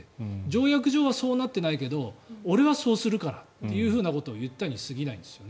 条約上はそうなってないけど俺はそうするからっていうことを言ったに過ぎないんです。